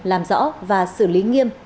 làm rõ và xử lý nghiêm